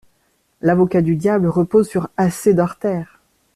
L'avocat du diable repose sur assez d'artères.